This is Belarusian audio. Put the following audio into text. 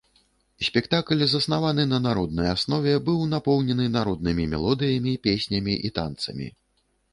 Спектакль, заснаваны на народнай аснове, быў напоўнены народнымі мелодыямі, песнямі і танцамі.